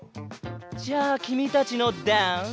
じゃあきみたちのダンス。